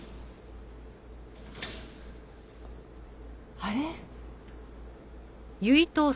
あれ？